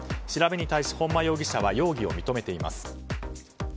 調べに対し、本間容疑者は容疑を認めています。